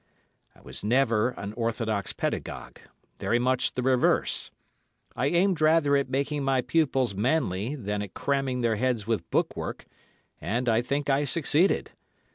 I was never an orthodox pedagogue; very much the reverse. I aimed rather at making my pupils manly than at cramming their heads with book work, and, I think, I succeeded.